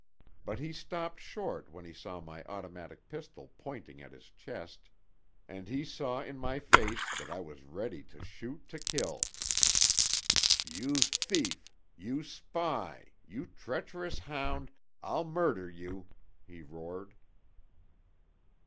But he stopped short when he saw my automatic pistol pointing at his chest. And he saw in my face that I was ready to shoot to kill. "You thief you spy you treacherous hound, I'll murder you!" he roared.